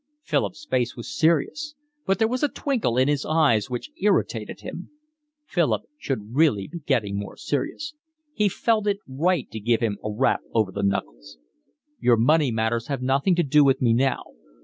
Philip's face was serious, but there was a twinkle in his eyes which irritated him. Philip should really be getting more serious. He felt it right to give him a rap over the knuckles. "Your money matters have nothing to do with me now.